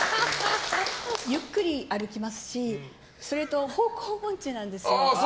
ゆっくり歩きますしそれと、方向音痴なんですよ。